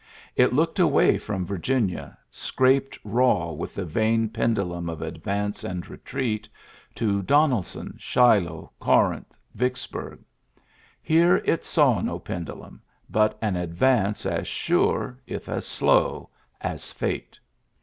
It ooked away from Virginia, scraped raw vith the vain pendulum of advance and etreat, to Donelson, Shiloh, Corinth, T'icksburg. Here it saw no pendulum, )ut an advance as sure, if as slow, as ate.